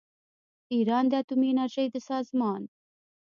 ایران د اتومي انرژۍ د سازمان